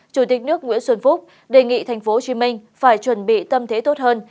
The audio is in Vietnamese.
chủ tịch nước nguyễn xuân phúc đề nghị tp hcm phải chuẩn bị tâm thế tốt hơn